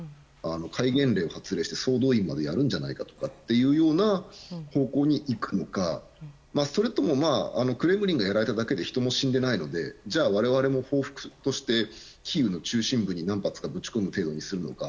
戒厳令を発令して、総動員までやるんじゃないかという方向に行くのか、それともクレムリンがやられただけで人も死んでいないのでじゃあ、我々も報復としてキーウの中心部に何発か撃ち込む程度にするのか